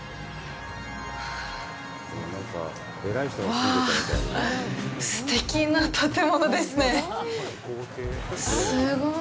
わあ、すてきな建物ですね。